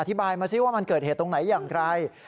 อธิบายมาสิว่ามันเกิดเหตุตรงไหนอย่างไร